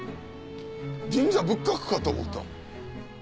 神社仏閣かと思った！